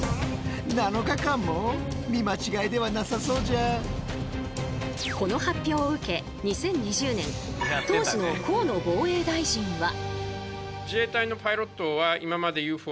これを実際にこの発表を受け２０２０年当時の河野防衛大臣は。